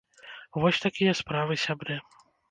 Вось такія справы, сябры.